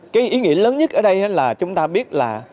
cái ý nghĩa lớn nhất ở đây là chúng ta biết là